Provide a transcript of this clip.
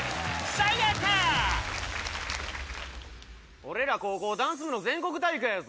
俺ら、高校ダンス部の全国大会やぞ。